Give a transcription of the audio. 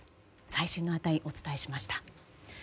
最新の値をお伝えしました。